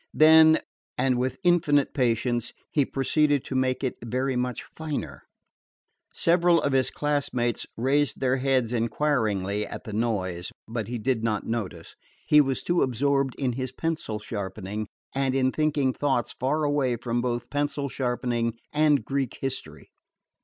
Then, and with infinite patience, he proceeded to make it very much finer. Several of his classmates raised their heads inquiringly at the noise. But he did not notice. He was too absorbed in his pencil sharpening and in thinking thoughts far away from both pencil sharpening and Greek history.